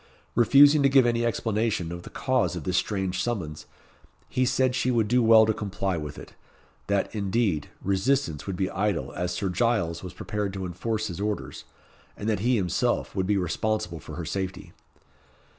Refusing to give any explanation of the cause of this strange summons, he said she would do well to comply with it, that, indeed, resistance would be idle as Sir Giles was prepared to enforce his orders; and that he himself would be responsible for her safety.